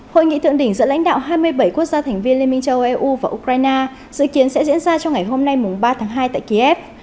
hội nghị thượng đỉnh giữa lãnh đạo hai mươi bảy quốc gia thành viên liên minh châu eu và ukraine dự kiến sẽ diễn ra trong ngày hôm nay ba tháng hai tại kiev